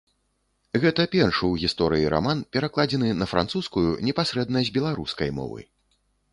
Гэта першы ў гісторыі раман, перакладзены на французскую непасрэдна з беларускай мовы.